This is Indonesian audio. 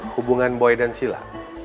hubungan boy dan sila